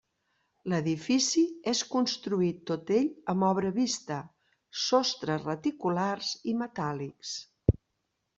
L'edifici és construït tot ell amb obra vista, sostres reticulars i metàl·lics.